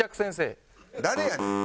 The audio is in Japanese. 誰やねん！